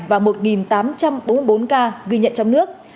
và một tám trăm bốn mươi bốn ca ghi nhận trong nước